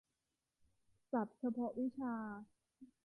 ศัพท์เฉพาะวิชา